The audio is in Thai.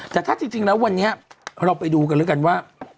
แต่ถ้าจริงแล้ววันนี้เราไปดูกันแล้วกันว่า